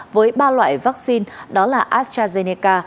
với ba loại vaccine đó là astrazeneca